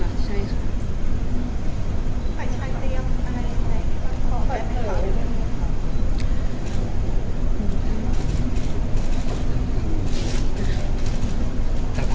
แล้วอันนี้ถามคุณผู้ชายค่ะ